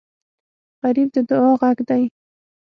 غریب د دعا غږ دی